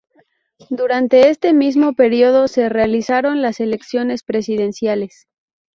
Durante este mismo periodo se realizaron las elecciones presidenciales.